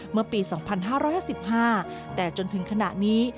เมื่อปี๒๕๕๕แต่จนถึงขณะนี้